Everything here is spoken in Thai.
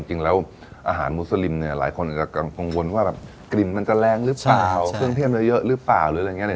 จริงแล้วอาหารบุสลิมเนี่ยหลายคนจะกังวลว่ากลิ่นมันจะแรงหรือเปล่าเครื่องเที่ยมเยอะหรือเปล่า